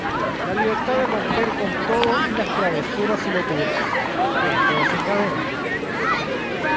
La libertad de romper con todo y las travesuras y locuras, que esto desencadena.